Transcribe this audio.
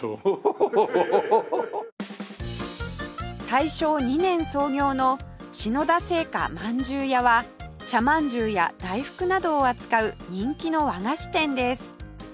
大正２年創業の篠田製菓饅頭屋は茶まんじゅうや大福などを扱う人気の和菓子店です